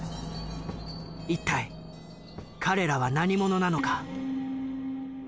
一体彼らは何者なのか？